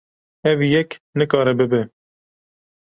Ev yek nikare bibe.